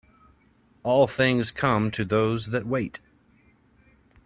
All things come to those that wait.